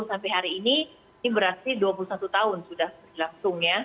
sampai hari ini ini berarti dua puluh satu tahun sudah berlangsung ya